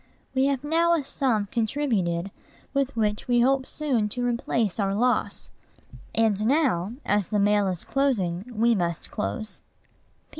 We have now a sum contributed with which we hope soon to replace our loss. And now, as the mail is closing, we must close.